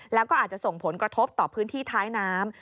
แล้วก็อาจจะส่งผลกระทบต่อพื้นที่ท้ายน้ำ